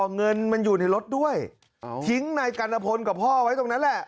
เงินมันอยู่ในรถด้วยทิ้งนายกัณฑพลกับพ่อไว้ตรงนั้นแหละ